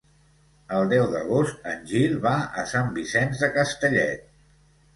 El deu d'agost en Gil va a Sant Vicenç de Castellet.